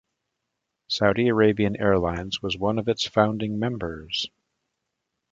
Saudi Arabian Airlines was one of its founding members.